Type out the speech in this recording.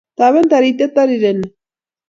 Taben tariet tarireni